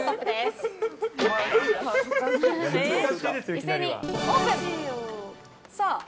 一斉にオープン。